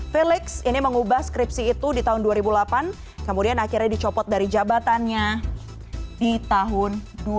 felix ini mengubah skripsi itu di tahun dua ribu delapan kemudian akhirnya dicopot dari jabatannya di tahun dua ribu